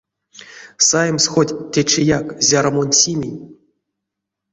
Саемс хоть течияк, зяро мон симинь?!